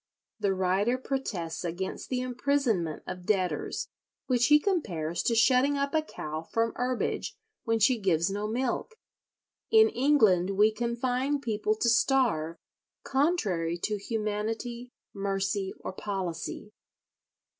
The writer protests against the imprisonment of debtors, which he compares to shutting up a cow from herbage when she gives no milk. "In England we confine people to starve, contrary to humanity, mercy, or policy.